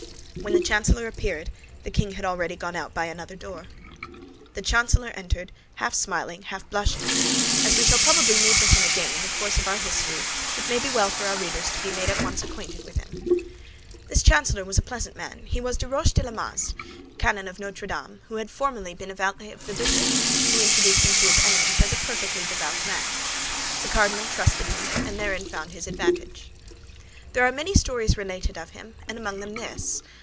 When the chancellor appeared, the king had already gone out by another door. The chancellor entered, half smiling, half blushing. As we shall probably meet with him again in the course of our history, it may be well for our readers to be made at once acquainted with him. This chancellor was a pleasant man. He was Des Roches le Masle, canon of Notre Dame, who had formerly been valet of a bishop, who introduced him to his Eminence as a perfectly devout man. The cardinal trusted him, and therein found his advantage. There are many stories related of him, and among them this.